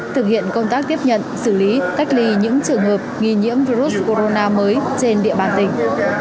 thực hiện công tác tiếp nhận xử lý cách ly những trường hợp nghi nhiễm virus corona mới trên địa bàn tỉnh